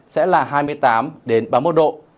sẽ là hai mươi tám đến ba mươi một độ